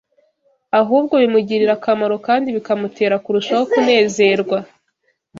ahubwo bimugirira akamaro kandi bikamutera kurushaho kunezerwa.